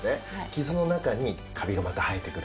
傷の中にカビがまた生えてくる。